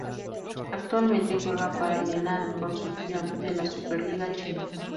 Actualmente juega para el Henan Construction de la Super Liga China.